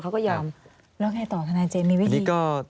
แล้วไงต่อทนายเจยในวิธี